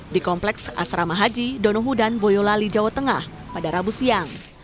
di kompleks asrama haji donohudan boyolali jawa tengah pada rabu siang